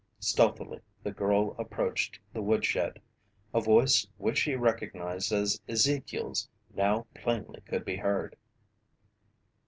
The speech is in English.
Stealthily the girl approached the woodshed. A voice which she recognized as Ezekiel's, now plainly could be heard.